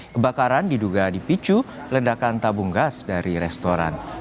kebakaran diduga dipicu ledakan tabung gas dari restoran